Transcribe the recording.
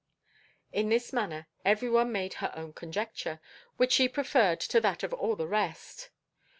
In this manner every one made her own conjecture, which she preferred to that of all the rest.